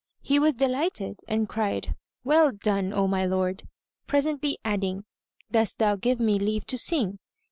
He was delighted, and cried, "Well done, O my lord!"; presently adding, "Dost thou give me leave to sing?"